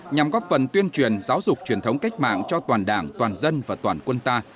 nhằm góp phần tuyên truyền giáo dục truyền thống cách mạng cho toàn đảng toàn dân và toàn quân ta